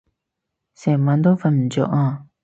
成晚都瞓唔著啊